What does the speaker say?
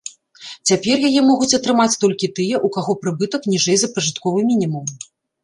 Цяпер яе могуць атрымаць толькі тыя, у каго прыбытак ніжэй за пражытковы мінімум.